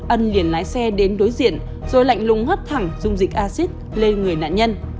ân liền lái xe đến đối diện rồi lạnh lùng hất thẳng dung dịch acid lên người nạn nhân